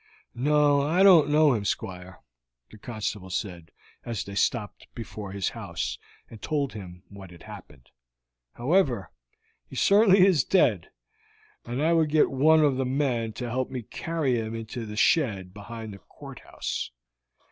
"No, I don't know him, Squire," the constable said as they stopped before his house and told him what had happened. "However, he certainly is dead, and I will get one of the men to help me carry him into the shed behind the courthouse.